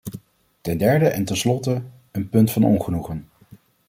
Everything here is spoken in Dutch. Ten derde en ten slotte, een punt van ongenoegen.